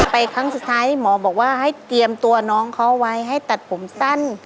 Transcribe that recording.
ครั้งสุดท้ายหมอบอกว่าให้เตรียมตัวน้องเขาไว้ให้ตัดผมสั้น